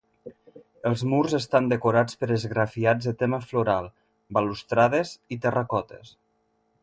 Els murs estan decorats per esgrafiats de tema floral, balustrades i terracotes.